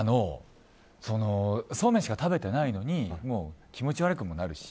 そうめんしか食べてないのに気持ち悪くもなるし